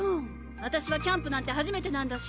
あたしはキャンプなんて初めてなんだし！